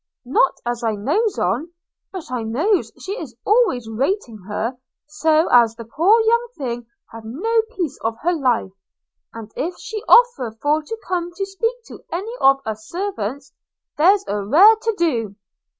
'Not as I knows on; but I knows she is always rating her, so as the poor young thing have no peace of her life – and if she offer for to come to speak to any of us sarvants, there's a rare to do!